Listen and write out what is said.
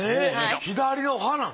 左の歯なん。